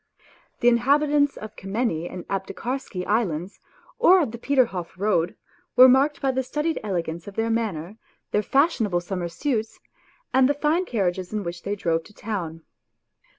The inhabitants of Kamenny and Aptekarsky Islands or of the Peterhof Road were marked by the studied elegance of their manner, their fashionable summer suits, and the fine carriages in which they drove to town.